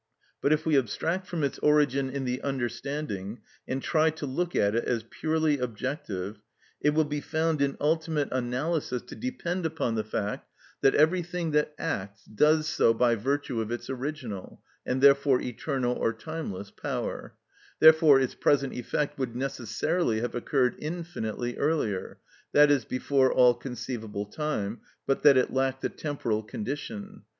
But if we abstract from its origin in the understanding and try to look at it as purely objective, it will be found in ultimate analysis to depend upon the fact that everything that acts does so by virtue of its original, and therefore eternal or timeless, power; therefore its present effect would necessarily have occurred infinitely earlier, that is, before all conceivable time, but that it lacked the temporal condition.